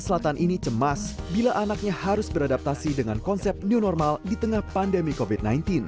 selatan ini cemas bila anaknya harus beradaptasi dengan konsep new normal di tengah pandemi covid sembilan belas